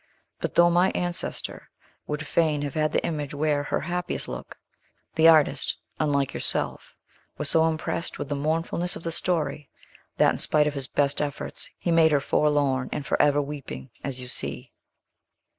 But, though my ancestor would fain have had the image wear her happiest look, the artist, unlike yourself, was so impressed with the mournfulness of the story, that, in spite of his best efforts, he made her forlorn, and forever weeping, as you see!"